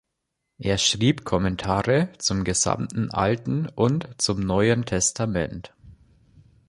Er schrieb Kommentare zum gesamten Alten und zum Neuen Testament.